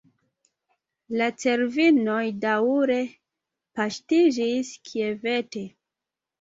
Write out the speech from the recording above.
La cervinoj daŭre paŝtiĝis kviete.